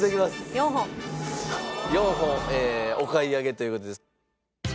４本お買い上げという事です。